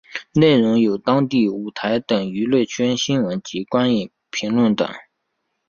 内容有当地舞台等娱乐圈新闻及观影评论等。